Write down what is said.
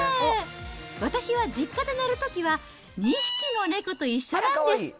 私は実家で寝るときは、２匹の猫と一緒なんです。